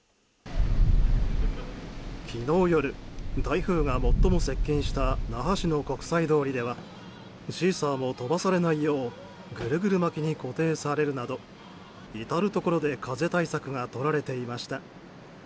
昨日夜、台風が最も接近した那覇市の国際通りではシーサーも飛ばされないようぐるぐる巻きに固定されるなど至るところで風対策がとられていました。